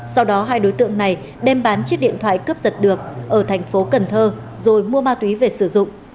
sau đó hai đối tượng này đem bán chiếc điện thoại cướp giật được ở thành phố cần thơ rồi mua ma túy về sử dụng